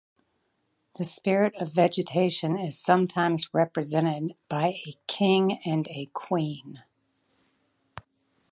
The spirit of vegetation is sometimes represented by a king and queen.